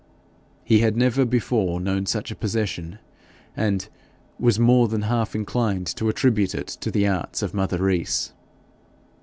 He had never before known such a possession, and was more than half inclined to attribute it to the arts of mother Rees.